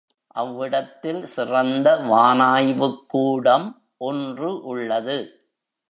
அவ்விடத்தில் சிறந்த வானாய்வுக் கூடம் ஒன்று உள்ளது.